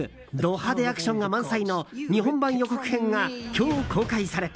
派手アクションが満載の日本版予告編が今日公開された。